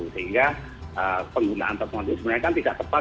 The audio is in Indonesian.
sehingga penggunaan plat mobil ini sebenarnya tidak tepat